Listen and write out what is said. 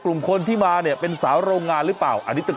กลุ่มคนที่มาเนี่ยเป็นศาวโรงงานหรือเปล่าอันนี้ตึก